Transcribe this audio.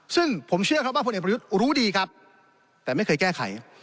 ซึ่งผมเชื่อครับว่าพลเอกประยุทธ์รู้ดีครับแต่ไม่เคยแก้ไข